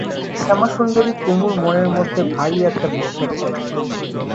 শ্যামাসুন্দরী কুমুর মনের মধ্যে ভারি একটা বিস্বাদ জাগিয়ে দিলে।